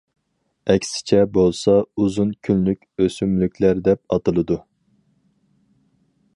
ئەكسىچە بولسا ئۇزۇن كۈنلۈك ئۆسۈملۈكلەر دەپ ئاتىلىدۇ.